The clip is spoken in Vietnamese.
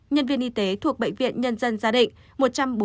nhân viên y tế thuộc bệnh viện nhân dân gia đình